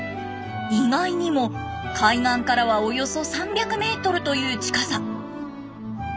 意外にも海岸からはおよそ３００メートルという近さ。